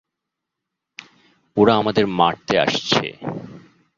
ওরা আমাদের মারতে আসছে।